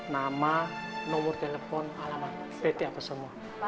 nama nomor telepon alamat pt apa semua